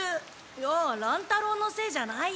いや乱太郎のせいじゃないよ。